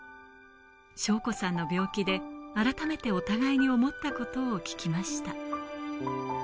省子さんの病気で改めてお互いに思ったことを聞きました。